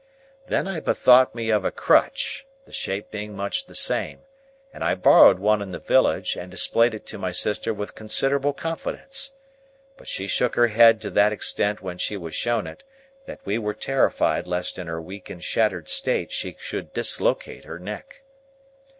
Then I bethought me of a crutch, the shape being much the same, and I borrowed one in the village, and displayed it to my sister with considerable confidence. But she shook her head to that extent when she was shown it, that we were terrified lest in her weak and shattered state she should dislocate her neck.